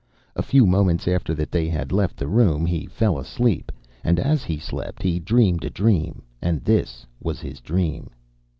A few moments after that they had left the room, he fell asleep. And as he slept he dreamed a dream, and this was his dream.